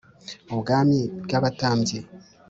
ubwami bw abatambyi